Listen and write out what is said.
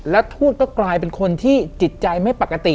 แล้วทูตก็กลายเป็นคนที่จิตใจไม่ปกติ